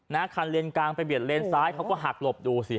คันเลนกลางไปเบียดเลนซ้ายเขาก็หักหลบดูสิ